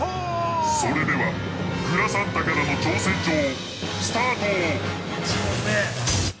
それではグラサンタからの挑戦状、スタート！